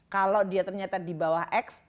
kalau dia ternyata di bawah x